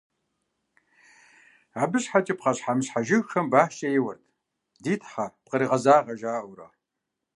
Абы щхьэкӀэ пхъэщхьэмыщхьэ жыгхэм башкӀэ еуэрт: «Ди тхьэ, пкъырыгъэзагъэ», - жаӀэурэ.